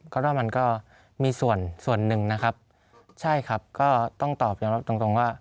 ก็ว่ามันก็มีส่วนส่วนหนึ่งนะครับใช่ครับก็ต้องตอบยอมรับตรงตรงว่า